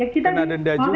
kena denda juga